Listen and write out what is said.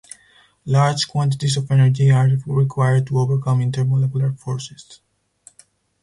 Large quantities of energy are required to overcome intermolecular forces.